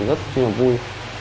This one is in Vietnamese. rất là vui